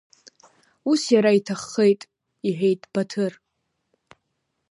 Ус иара иҭаххеит, — иҳәеит Баҭыр.